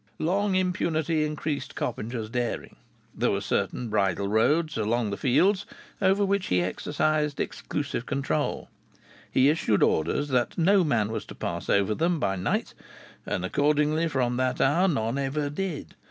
Long impunity increased Coppinger's daring. There were certain bridle roads along the fields over which he exercised exclusive control. He issued orders that no man was to pass over them by night, and accordingly from that hour none ever did.